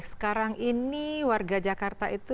sekarang ini warga jakarta itu